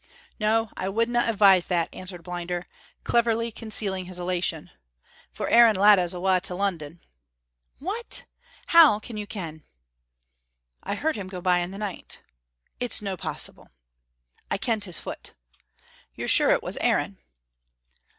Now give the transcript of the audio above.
"No, I wouldna advise that," answered Blinder, cleverly concealing his elation, "for Aaron Latta's awa' to London." "What! How can you ken?" "I heard him go by in the night." "It's no possible!" "I kent his foot." "You're sure it was Aaron?"